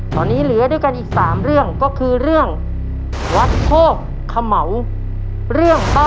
ตอนนี้เหลือด้วยกันอีก๓เรื่องก็คือเรื่อง